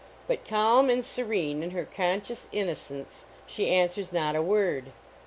But, calm and serene in her conscious innocence, she answers not a word.